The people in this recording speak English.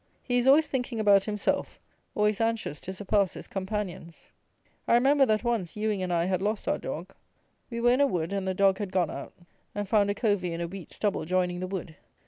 He is always thinking about himself; always anxious to surpass his companions. I remember that, once, Ewing and I had lost our dog. We were in a wood, and the dog had gone out, and found a covey in a wheat stubble joining the wood.